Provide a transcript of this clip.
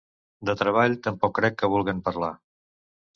De treball tampoc crec que vulguen parlar.